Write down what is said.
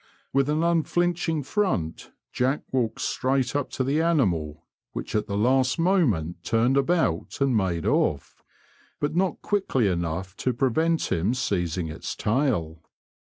With an unflinching front, Jack walked straight up to the animal, which at the last moment turned about and made off, but not quickly enough to prevent him seizing its tail.